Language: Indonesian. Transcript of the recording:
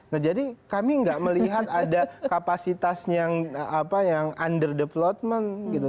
nah jadi kami nggak melihat ada kapasitas yang under development gitu